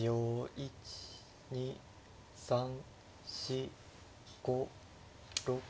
１２３４５６。